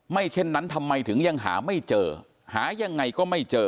เช่นนั้นทำไมถึงยังหาไม่เจอหายังไงก็ไม่เจอ